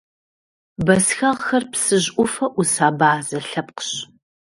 Бэсхэгъхэр Псыжь ӏуфэ ӏус абазэ лъэпкъщ.